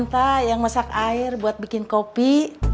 neng kanta yang masak air buat bikin kopi